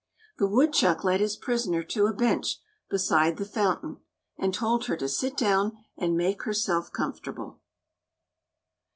The woodchuck led his prisoner to a bench beside the fountain, and told her to sit down and make herself comfortable.